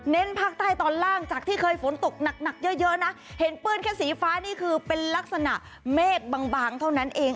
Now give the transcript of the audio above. ภาคใต้ตอนล่างจากที่เคยฝนตกหนักเยอะนะเห็นปื้นแค่สีฟ้านี่คือเป็นลักษณะเมฆบางเท่านั้นเอง